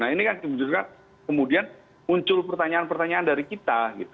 ini kemudian muncul pertanyaan pertanyaan dari kita